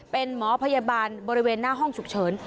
เป็นหมอพยาบาลบริเวณหน้าห้องฉุกเฉิน